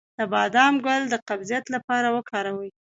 د بادام ګل د قبضیت لپاره وکاروئ